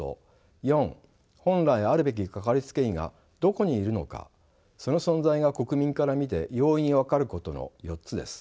４本来あるべきかかりつけ医がどこにいるのかその存在が国民から見て容易に分かることの４つです。